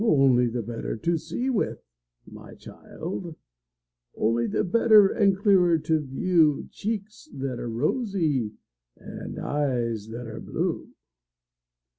Only the better to see with, my child! Only the better and clearer to view Cheeks that are rosy and eyes that are blue.